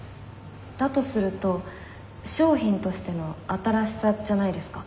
だとすると「商品としての新しさ」じゃないですか？